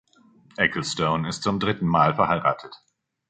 Ecclestone ist zum dritten Mal verheiratet.